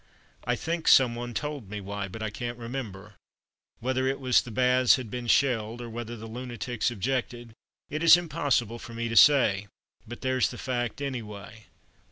I think some one told me why, but I can't remember. Whether it was the baths had been shelled, or whether the lunatics objected, it is impossible for me to say; but there's the fact, anyway.